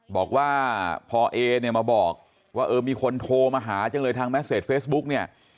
บอกว่าพอเอเนี่ยมาบอกว่าเออมีคนโทรมาหาจังเลยทางแสเฟซบุ๊กเนี่ย